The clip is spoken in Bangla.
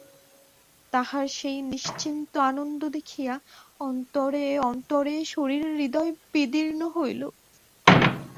তাহার সেই নিশিন্ত আনন্দ দেখিয়া অন্তরে অন্তরে শরীর হৃদয় বিদীর্ণ হইল।